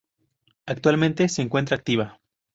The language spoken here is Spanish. Actualmente se encuentra activa.